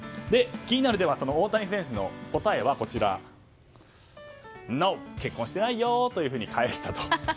気になる大谷選手の答えはノー、結婚していないよと返した。